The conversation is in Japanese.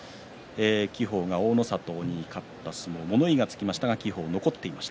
輝鵬が大の里に勝った相撲、物言いがつきましたが輝鵬残っていました。